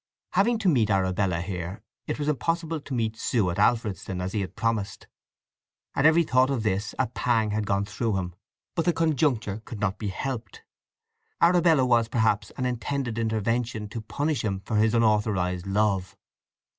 Having to meet Arabella here, it was impossible to meet Sue at Alfredston as he had promised. At every thought of this a pang had gone through him; but the conjuncture could not be helped. Arabella was perhaps an intended intervention to punish him for his unauthorized love.